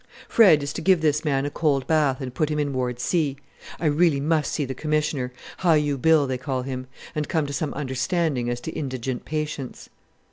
"Fred is to give this man a cold bath and put him in ward 'C.' I really must see the Commissioner Hi u Bill, they call him and come to some understanding as to indigent patients."